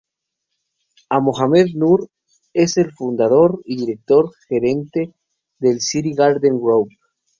A Mohamed Nur es el fundador y director gerente del City Garden Group.